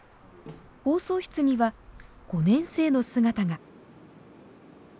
放送室には５年生の姿が。